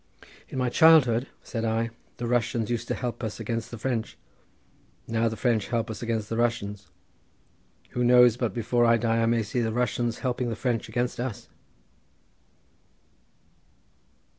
"In my childhood," said I, "the Russians used to help us against the French; now the French help us against the Russians. Who knows but before I die I may see the Russians helping the French against us?"